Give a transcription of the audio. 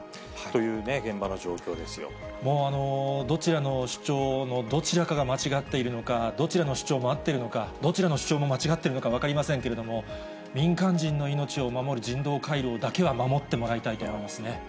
どちらの主張のどちらかが間違っているのか、どちらの主張も合ってるのか、どちらの主張も間違っているのか分かりませんけれども、民間人の命を守る人道回廊だけは守ってもらいたいと思いますね。